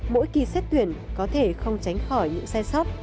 mỗi kỳ xét tuyển có thể không tránh khỏi những xe sót